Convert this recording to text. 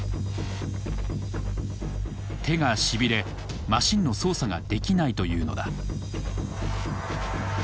手がしびれマシンの操作ができないというのだ。